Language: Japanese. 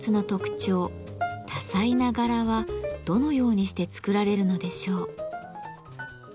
多彩な柄はどのようにして作られるのでしょう？